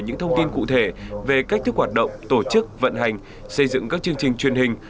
những thông tin cụ thể về cách thức hoạt động tổ chức vận hành xây dựng các chương trình truyền hình